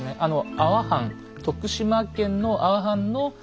阿波藩徳島県の阿波藩の能役者。